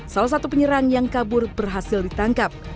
salah satu penyerang yang kabur berhasil ditangkap